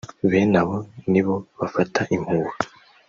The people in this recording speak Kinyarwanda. Bene abo nibo bafata impuha